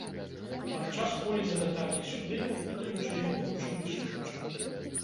Падчас кулі заляталі і сюды, путаючыся і гудучы між сучча.